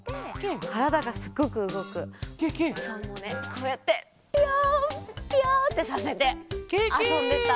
こうやってピヨンピヨンってさせてあそんでた。